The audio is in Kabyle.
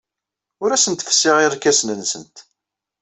Ur asent-fessiɣ irkasen-nsent.